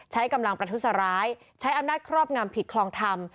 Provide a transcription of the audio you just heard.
ใช้กำลังประทุษร้ายใช้อำนาจครอบงำผิดคลองธรรม